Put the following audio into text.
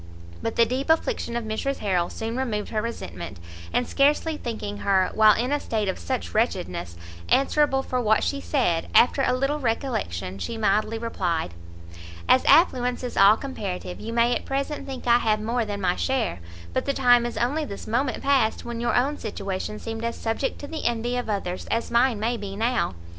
but the deep affliction of Mrs Harrel soon removed her resentment, and scarcely thinking her, while in a state of such wretchedness, answerable for what she said, after a little recollection, she mildly replied "As affluence is all comparative, you may at present think I have more than my share; but the time is only this moment past, when your own situation seemed as subject to the envy of others as mine may be now.